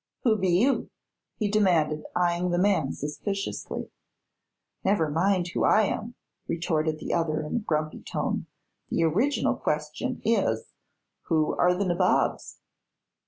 "Who be you?" he demanded, eyeing the man suspiciously. "Never mind who I am," retorted the other in a grumpy tone; "the original question is 'who are the nabobs?'"